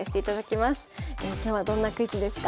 今日はどんなクイズですか？